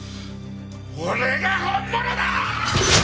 俺が本物だーっ！